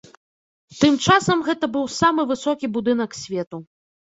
Тым часам гэта быў самы высокі будынак свету.